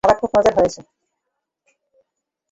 খাবার খুব মজার হয়েছে।